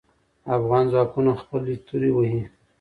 افغان ځواکونه خپلې تورو وهې.